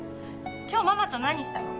今日ママと何したの？